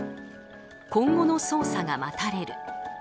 今後の捜査が待たれる。